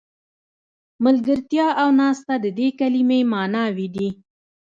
ملګرتیا او ناسته د دې کلمې معناوې دي.